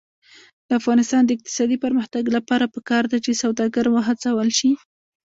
د افغانستان د اقتصادي پرمختګ لپاره پکار ده چې سوداګر وهڅول شي.